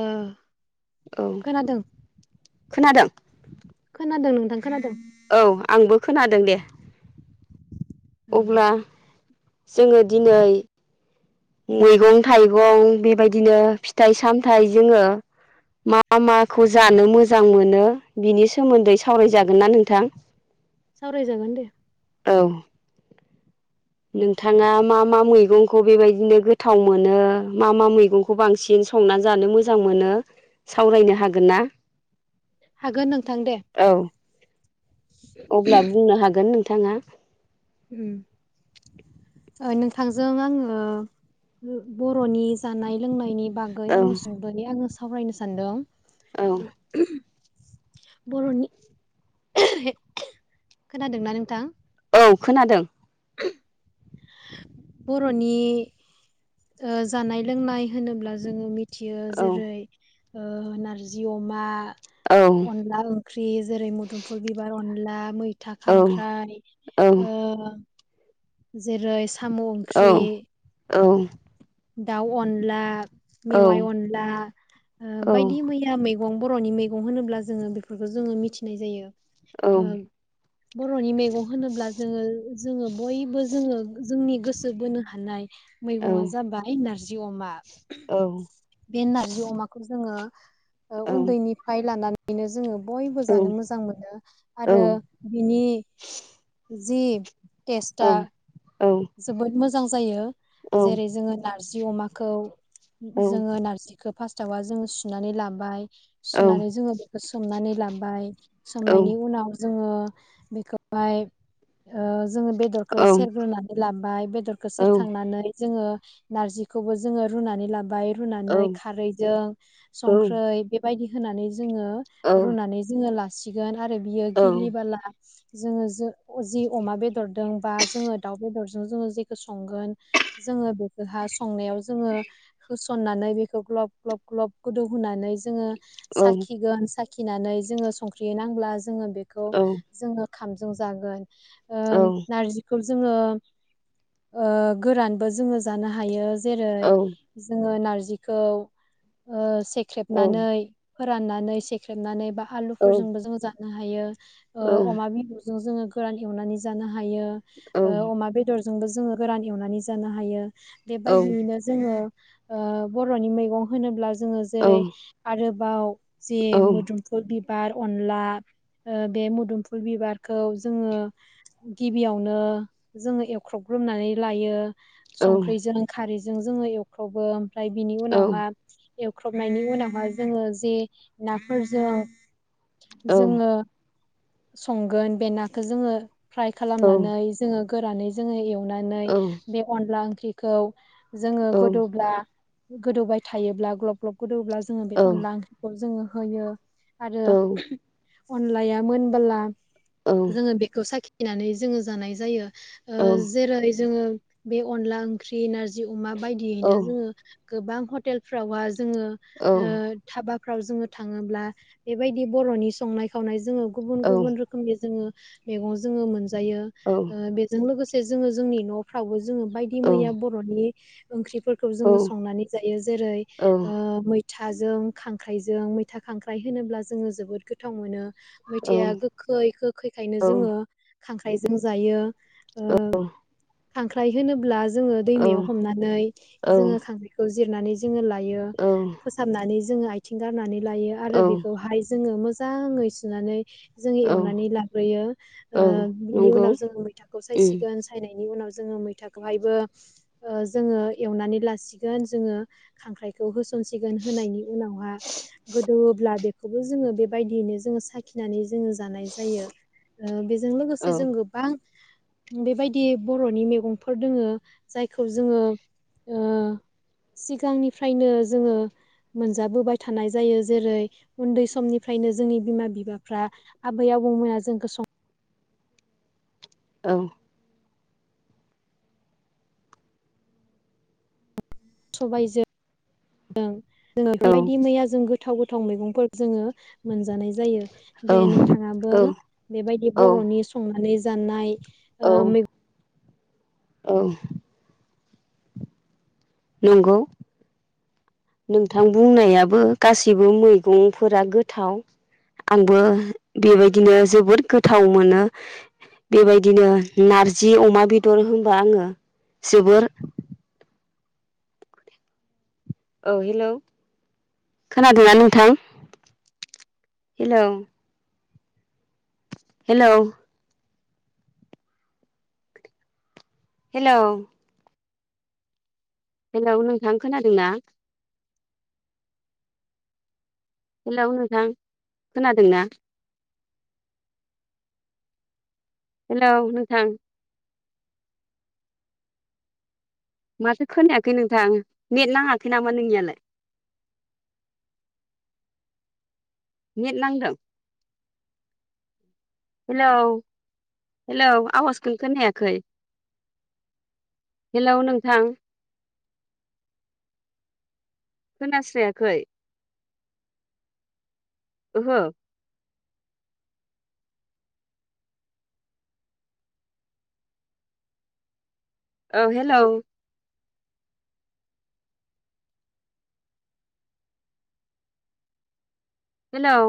ओ औ खोनादों खोनादों खोनादों नोंथां खोनादों औ आंबो खोनादों दे ओ अब्ला जोंङो दिनै मैगं-थाइगं बेबायदिनो फिथाइ - सामथायाइ जोंङो मा माखौ जानो मोजां मोनो बिनि सोमोन्दै सावरायजागोन ना नोंथां। सावरायजागोन दे औ नोंथांङा मा मा मैगंखौ बेबायदिनो गोथाव मोनो मा मा मैगंखौ बांसिन संनानै जानो मोजां मोनो सावरायनो हागोन ना? हागोन नोंथां दे औ अब्ला बुंनो हागोन नों थांङा उम अ नोंथांजों आंङो बर'नि जानाय लोंनायनि बागै औ आंङो सुंदनि आंङो सावरायनो सान्दों। औ बर'नि खोनादोंना नोंथां? औ खोनादों। [unintelligible] बर'नि ओ जानाय लोंनाय होनोब्ला जोंङो मि थियो औ जेरै ओ नारजि अमा औ औ अनला ओंख्रि जेरै मोदुमफुल बिबार अनला, मैथा खांख्राइ औ ओ जेरै साम' ओंख्रि औ औ दाउ अनला औ मेवाइ अनला बायदि मैया मै [unintelligible] बर'नि मैगं होनोब्ला जोंङो बेफोरखौ जोंङो मिथिनाय जायो। ओ औ बर'नि मेगं होनोब्ला जोंङो जोंङो बयबो जोंङो जोंनि गो सो बोनो हानाय मैगंआ जाबाय नारजि अमा औ बे नारजि अमाखौ जोंङो उन्दैनिफ्राय लानानै बेनो जोंङो बयबो जानो मोजां मोनो आरो बिनि जि टेस्टा औ जोबोद मोजां जायो जेरै जोङो नारजि अमाखौ जोङो नारजि फास्टावा जों सुनानै लाबाय सुनानै जोङो बेखौ सोमनानै लाबाय सोमनायनि उनाव जोङो बेखौहाय ओ जोङो बेदरखौ सेरग्रोनानै जाबाय बेदरखौ सेरखांनानै जोङो नारजिखौबो जोङो रुनानै लाबाय रुनानै औ खारै जों संख्रै बेबायदि होनानै जोङो रुनानै जोङो ला सिगोन आरो बियो गिलि बोला जोङो जो जि अमा बेदरदों बा जोङो दाउ बेदर जोङो जेखौ संगोन जोङो बेखौहा संनायाव जोङो हो सननानै बेखौ ग्लब ग्लब ग्लब गोदौ होनोनानै जोङो साखि गोन सा खिनानै जोङो संख्रि नांब्ला जोङो बेखौ जोङो ओंखामजों जागोन ओ नारजिखौ जोङो ओ गोरानबो जोङो जानो हायो जेरै जोङो नार जिखौ ओ सेख्रेबनानै फोराननानै सेख्रेबनानै बा आलुफोरजोंबो जोङो जा नो हायो ओ अमा बिबुजों जोङो गोरान एवनानै जानो हा हायो ओ अमा फोरफोरजोंबो जोङो गोरान एवनानै जानो हायो बेबायदियैनो जोङो ओ बर'नि मैगं होनोब्ला जोङो जेरै आरो बाउ जे मोदुमफुल बि बार अनला बे मोदुमफुल बिबारखौ जोङो गिबियावनो जोङो एवख्रबग्रोमनानै लायो संख्रिजों खारै जों जोङो एवख्रबो ओमफ्राय बिनि उनावहा एवख्रबनायनि उनावहाय जोङो जे नाफोरजों जोङो संगोन बे नाखौ जोङो फ्राय खालामनानै जोङो गोरानै जोङो एव नानै बे अनला ओंख्रि खौ जोङो गोदौब्ला गोदौबाय थायोब्ला ग्लब ग्लब गोदौब्ला जोङो बे अनला ओंख्रिखौ जोङो होयो आरो अनलाया मोनबाला जोङो बेखौ साखि फैनानै जोङो जानाय जायो ओ जेरै जोङो बे अनला ओंख्रि नारजि जि अमा बायदियैनो जोङो गोबां हटेलफ्रावहा जोङो ओ धाबा फ्राव जोङो थाङोब्ला बेबायदि बर'नि संनाय खावनाय जोङो गुबुन गुबुन रोखोमनि जोङो मेगं जोङो मोन जायो ओ लोगोसे जोङो जोंनि न'फ्रावबो जोङो बायदि मैया बर'नि ओंख्रि फोरखौ जोङो संनानै जायो जेरै ओ मै मैथाजों खांख्राइजों मैथा खांख्राइ होनोब्ला जोङो जोबोद गोथाव मोनो मैथाया गोखै गोखैखायनो जोङो खांख्राइजों जायो ओ खांख्राय होनोब्ला जोङो दैमायाव हमनानै जोङो खांख्रायखौ जिरनानै जायो जोङो लायो फोसाबनानै जोङो आथिं गारनानै लायो औ आरो औ बेखौहाय जोङो मो मोजाङै सुनानै जों औ एवनानै लाग्रोयो औ बिनि उनाव नंगौ जों [unintelligible] उम सायसिगोन सायनाय बिनि उनाव जोङो मैथाखौबो एवनानै लासिगोन जोङो खांख्रायखौ होस'नो सिगोन होनायनि उनावहा गोदौब्ला बे बिखौ जोङो बेबायदियैनो जोङो साखिनानै जोङो जानाय जायो बेजों औ लोगोसे जों गोबां बेबायदि बर'नि मैगंफोर दोङो जायखौ जोङो ओ सिगांनिफ्रायनो जोङो मोनजाबोबाय थानाय जायो जेरै उन्दै समनिफ्रायनो जोंनि बिमा-बिफाफ्रा आबै आबौमोना जोंखौ संनानै औ सबबायजों जों जोङो औ बेबायदि मैया [unintelligible] जों गोथाव गोथाव गोथां मैगंफोर जोङो मोनजानाय जायो जायो दे नोंथाङाबो बेबायदि औ बर'नि संनानै जानाय आ म [inaudible] औ नंगौ नोंथां बुंनायाबो गासैबो मैगंफोरा गोथाव आंबो बेबायदिनो जोबोर गोथाव मोनो बेबायदिनो नारजि अमा बेदर होनबा आङो जोबोर औ हेलौ खोनादोंना नोंथां? हेलौ हेल' हेल' हेलौ नोंथां खोनादों ना। हेलौ नोंथां खोनादोंना। हेलौ नोंथां। माथो खोनायाखै नोंथाङा नेट नाङाखै नामा नोंनियालाय। नेट नांदों। हेलौ हेलौ आवाजखौ खोनायाखै हेलौ नोंथां। खोनास्रायाखै। ओहो। औ हेलौ। हेलौ।